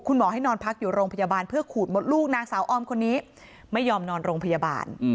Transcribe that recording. คุณหมอให้นอนพักอยู่โรงพยาบาลเพื่อขูดมดลูกนางสาวออมคนนี้ไม่ยอมนอนโรงพยาบาล